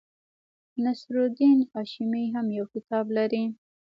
نصیر الدین هاشمي هم یو کتاب لري.